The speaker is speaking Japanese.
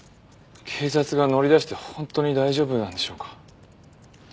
警察が乗り出して本当に大丈夫なんでしょうか？